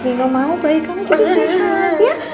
nino mau bayi kamu jadi sehat ya